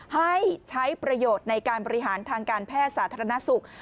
ให้ใช้ประโยชน์ในการบริหารทางการแพทย์สาธารณสุข